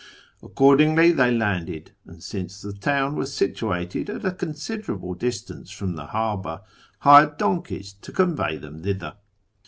Accordingly, they landed, and, since the town was situated at a considerable distance from the harbour, hired donkeys to convey them thither.